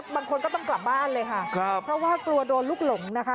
บางคนก็ต้องกลับบ้านเลยค่ะครับเพราะว่ากลัวโดนลูกหลงนะคะ